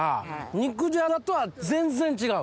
肉じゃがとは全然違う。